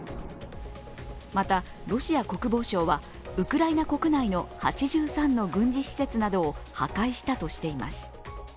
また、ロシア国防省はウクライナ国内の８３の軍事施設などを破壊したとしています。